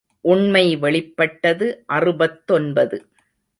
உண்மை வெளிப்பட்டது அறுபத்தொன்பது.